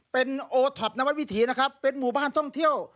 เป็นโอท็อปนวัดวิถีนะครับเป็นหมู่บ้านท่องเที่ยว